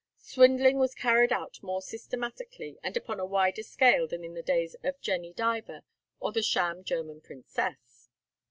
Swindling was carried out more systematically and upon a wider scale than in the days of Jenny Diver or the sham German Princess.